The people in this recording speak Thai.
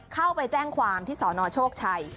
เข้าไปแจ้งความที่สนโชคชัย